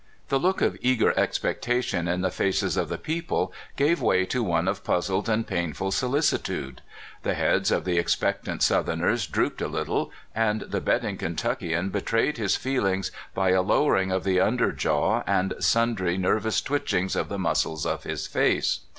The look of eager expectation in the faces of the people gave way to one of puzzled and painful solicitude. The heads of the expectant South erners drooped a little, and the betting Kentuck ian betrayed his feelings by a lowering of the under jaw and sundry nervous twitchings of the muscles of his face.